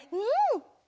うん！